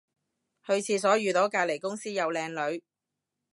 去廁所遇到隔離公司有靚女